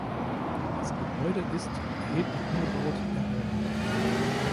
Das Gebäude ist, erheblich umgebaut, erhalten.